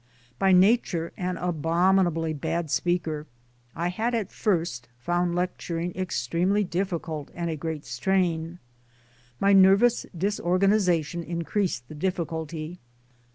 By nature an abominably bad speaker, I had at first found 1 lecturing extremely difficult and a great strain. My nervous disorganization increased the difficulty.